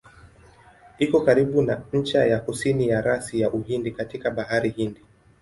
Iko karibu na ncha ya kusini ya rasi ya Uhindi katika Bahari Hindi.